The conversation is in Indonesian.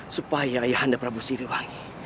supaya ayahanda prabu siribangi